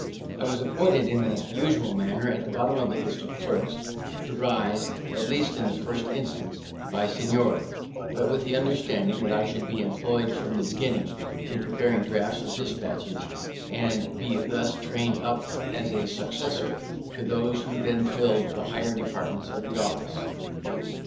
I was appointed in the usual manner, at the bottom of the list of clerks, to rise, at least in the first instance, by seniority; but with the understanding that I should be employed from the beginning in preparing drafts of despatches, and be thus trained up as a successor to those who then filled the higher departments of the office.